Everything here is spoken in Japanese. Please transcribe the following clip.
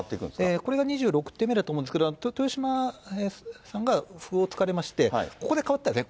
これが２６手目だと思うんですけど、豊島さんが歩をつかれまして、ここで変わったんですね。